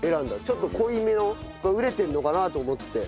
ちょっと濃いめの熟れてるのかなと思って。